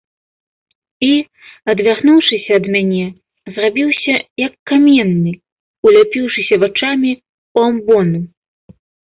І, адвярнуўшыся ад мяне, зрабіўся, як каменны, уляпіўшыся вачамі ў амбону.